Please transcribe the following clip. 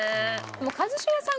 一茂さん